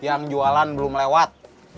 yang jualan belum lewat